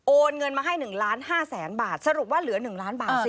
โอนเงินมาให้๑๕๐๐๐๐๐บาทสรุปว่าเหลือ๑๐๐๐๐๐๐บาทสิ